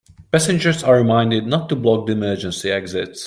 Passengers are reminded not to block the emergency exits.